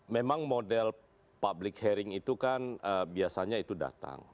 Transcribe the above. memang model public hearing itu kan biasanya itu datang